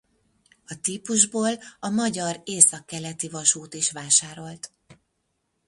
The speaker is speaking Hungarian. A típusból a Magyar Északkeleti Vasút is vásárolt.